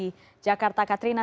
terima kasih jakarta katrina